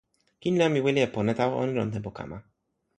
kin la mi wile e pona tawa ona lon tenpo kama.